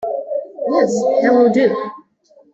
Yes, that will do.